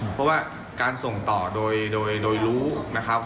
เพราะว่าการส่งต่อโดยคุณรู้ว่าเป็นเรื่องไม่จริง